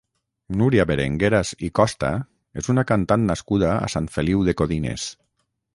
Núria Berengueras i Costa és una cantant nascuda a Sant Feliu de Codines.